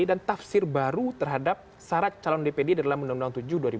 dan tafsir baru terhadap syarat calon dpd dalam undang undang tujuh dua ribu tujuh belas